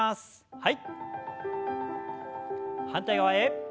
はい。